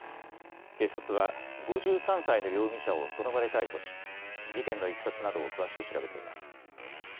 警察は５３歳の容疑者をその場で逮捕し事件のいきさつなどを詳しく調べています。